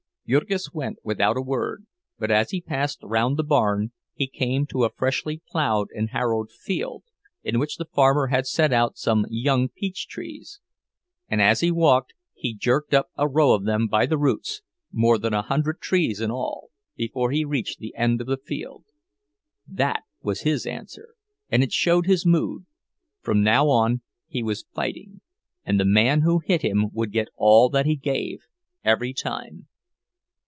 Jurgis went without a word; but as he passed round the barn he came to a freshly ploughed and harrowed field, in which the farmer had set out some young peach trees; and as he walked he jerked up a row of them by the roots, more than a hundred trees in all, before he reached the end of the field. That was his answer, and it showed his mood; from now on he was fighting, and the man who hit him would get all that he gave, every time.